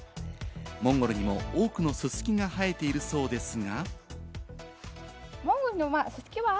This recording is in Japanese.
モンゴルにも多くのススキが生えているそうですが。